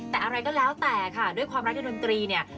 แต่อะไรก็แล้วแต่ค่ะด้วยความรักในดนตรีเนี่ย